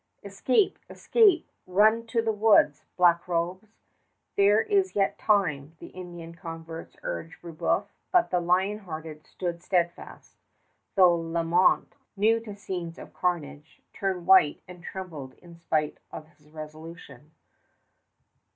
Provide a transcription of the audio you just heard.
"Escape! Escape! Run to the woods, Black Robes! There is yet time," the Indian converts urged Brébeuf; but the lion hearted stood steadfast, though Lalemant, new to scenes of carnage, turned white and trembled in spite of his resolution.